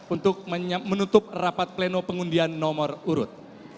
untuk menutup rapat pleno pengundian nomor urut